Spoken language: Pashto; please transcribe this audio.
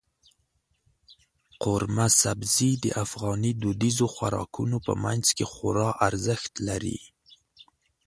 قورمه سبزي د افغاني دودیزو خوراکونو په منځ کې خورا ارزښت لري.